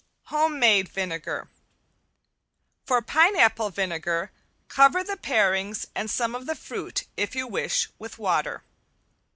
~HOMEMADE VINEGAR~ For pineapple vinegar, cover the parings and some of the fruit, if you wish, with water.